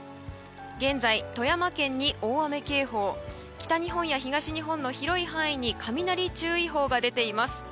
現在、富山県に大雨警報北日本や東日本の広い範囲に雷注意報が出ています。